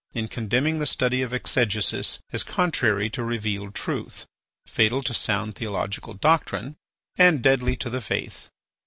in condemning the study of exegesis as contrary to revealed truth, fatal to sound theological doctrine, and deadly to the faith.